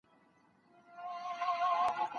کلونه تيريږي خو د کلي خاطره نه ورکيږي هيڅکله.